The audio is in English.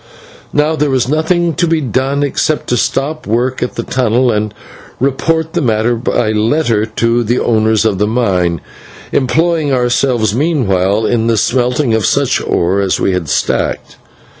Now there was nothing to be done except to stop work at the tunnel, and report the matter by letter to the owners of the mine, employing ourselves meanwhile in the smelting of such ore as we had stacked.